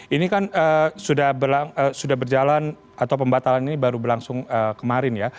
ini kan sudah berjalan atau pembatalan ini baru berlangsung kemarin ya